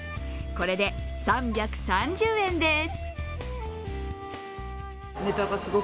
これで３３０円です。